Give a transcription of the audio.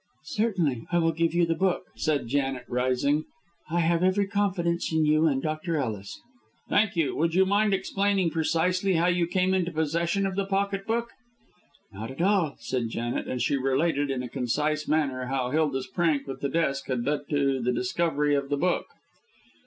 "Certainly I will give you the book," said Janet, rising. "I have every confidence in you and Dr. Ellis." "Thank you. Would you mind explaining precisely how you came into possession of the pocket book?" "Not at all," said Janet, and she related, in a concise manner, how Hilda's prank with the desk had led to the discovery of the book.